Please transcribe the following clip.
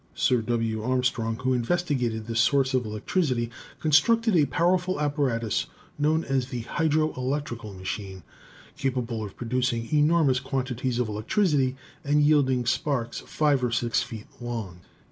Sir W. Armstrong, who investigated this source of electricity, constructed a powerful apparatus, known as the hydro electrical machine, capable of produc ing enormous quantities of electricity, and yielding sparks 5 or 6 feet long.